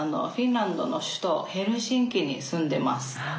フィンランドの首都ヘルシンキに住んでます。